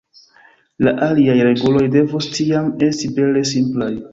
La aliaj reguloj devus tiam esti bele simplaj.